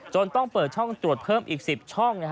ต้องเปิดช่องตรวจเพิ่มอีก๑๐ช่อง